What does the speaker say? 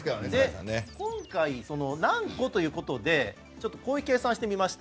今回、何個ということでこういう計算をしてみました。